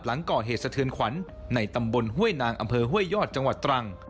หลังก่อเหตุสะเทือนขวัญในตำบลห้วยนางอำเภอห้วยยอดจังหวัดตรัง